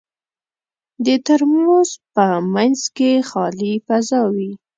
د ترموز په منځ کې خالي فضا وي.